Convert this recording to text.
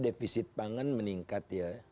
defisit pangan meningkat ya